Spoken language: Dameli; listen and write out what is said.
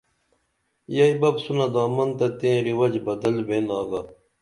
ییی بپ سونہ دامن تہ تئیں رِوَج بدل بین آگا